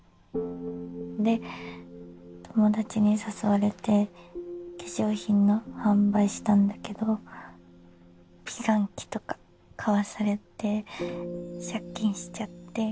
で友達に誘われて化粧品の販売したんだけど美顔器とか買わされて借金しちゃって。